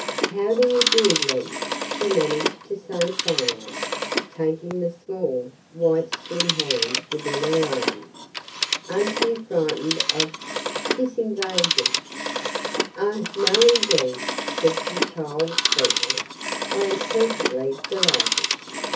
"How do you do, Wren?" she managed to say finally, taking the small, white, slim hand within her own. "Aren't you frightened of this invasion?" "Oh, no, indeed," said the child sweetly. "I am perfectly delighted.